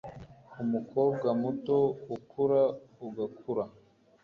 Umukobwa muto ukura ugakura